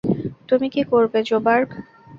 তুমি কী করবে, জোবার্গ?